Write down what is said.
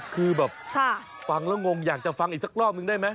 คือแบบฟังแล้วงงอยากจะฟังอีกสักรอบนึงได้ไหม